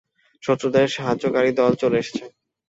শত্রুদের সাহায্যকারী দল চলে এসেছে।